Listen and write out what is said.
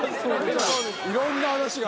いろんな話が。